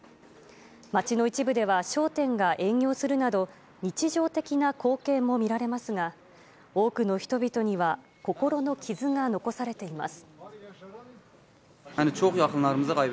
街の一部では商店が営業するなど、日常的な光景も見られますが、多くの人々には心の傷が残されています。